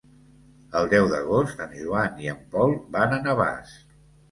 El deu d'agost en Joan i en Pol van a Navàs.